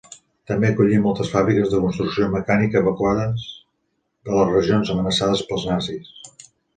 També acollí moltes fàbriques de construcció mecànica evacuades de les regions amenaçades pels nazis.